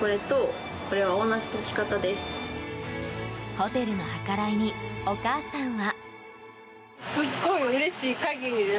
ホテルの計らいにお母さんは。